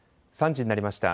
３時になりました。